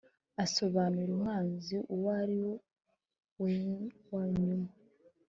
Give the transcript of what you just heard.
basobanura umwanzi uwo ari wewanyuma